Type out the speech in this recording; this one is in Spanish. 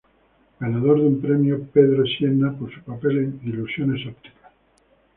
Ganador de un Premio Pedro Sienna por su papel en "Ilusiones ópticas".